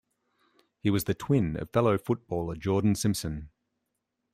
He was the twin of fellow footballer Jordan Simpson.